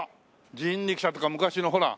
人力車とか昔のほら。